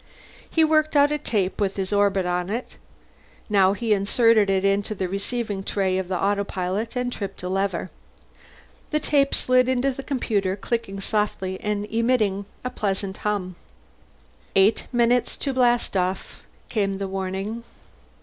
He worked out a tape with his orbit on it. Now he inserted it into the receiving tray of the autopilot and tripped a lever. The tape slid into the computer, clicking softly and emitting a pleasant hum. "Eight minutes to blastoff," came the warning.